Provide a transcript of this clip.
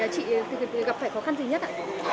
thì chị gặp phải khó khăn gì nhất ạ